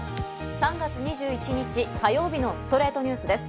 ３月２１日、火曜日の『ストレイトニュース』です。